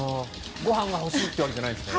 ご飯が欲しいというわけじゃないんですね。